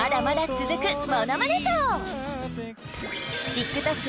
ＴｉｋＴｏｋ